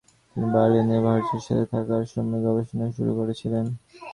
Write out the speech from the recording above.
তিনি বার্লিনে ভার্চোর সাথে থাকার সময় গবেষণা শুরু করেছিলেন।